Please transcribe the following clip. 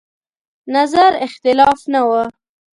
نظر اختلاف نه و.